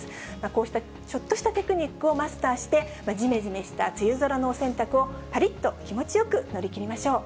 こうしたちょっとしたテクニックをマスターして、じめじめした梅雨空のお洗濯をぱりっと気持ちよく乗り切りましょう。